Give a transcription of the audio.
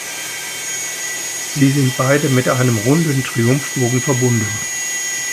Sie sind beide mit einem runden Triumphbogen verbunden.